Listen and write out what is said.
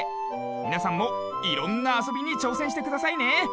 みなさんもいろんなあそびにちょうせんしてくださいね。